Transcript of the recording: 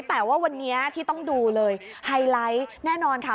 แต่ว่าวันนี้ที่ต้องดูเลยไฮไลท์แน่นอนค่ะ